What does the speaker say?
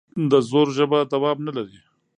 د زور ژبه دوام نه لري